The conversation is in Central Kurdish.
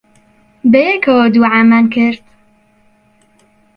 بەیەکەوە دوعامان کرد.